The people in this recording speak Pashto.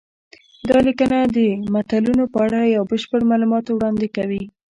دا لیکنه د متلونو په اړه یو بشپړ معلومات وړاندې کوي